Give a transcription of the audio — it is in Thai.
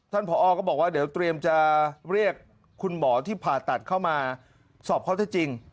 ผอก็บอกว่าเดี๋ยวเตรียมจะเรียกคุณหมอที่ผ่าตัดเข้ามาสอบข้อเท็จจริง